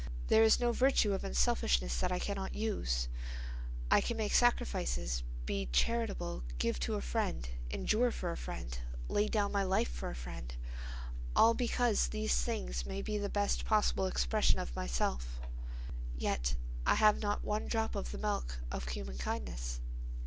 "There is no virtue of unselfishness that I cannot use. I can make sacrifices, be charitable, give to a friend, endure for a friend, lay down my life for a friend—all because these things may be the best possible expression of myself; yet I have not one drop of the milk of human kindness."